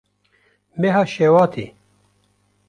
Meha Şewatê